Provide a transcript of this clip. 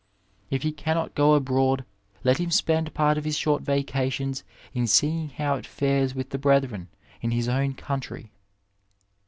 If he cannot go abroad let him spend part of his short vacations in seeing how it fares with the brethren in his own country.